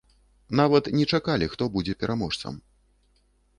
Нават не чакалі, хто будзе пераможцам.